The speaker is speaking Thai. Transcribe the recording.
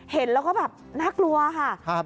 เห็นแล้วก็นักลัวค่ะ